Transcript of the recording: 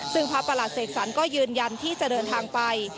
ซึ่งพระประหลัดเสกสรรก็ยืนยันที่จะเดินทางไป